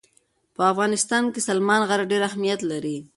په افغانستان کې سلیمان غر ډېر اهمیت لري.